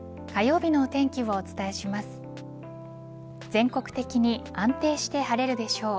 全国的に安定して晴れるでしょう。